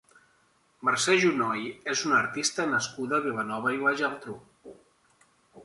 Mercé Junoy és una artista nascuda a Vilanova i la Geltrú.